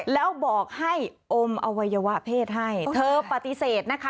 แล้วบอกให้อมอวัยวะเพศให้เธอปฏิเสธนะคะ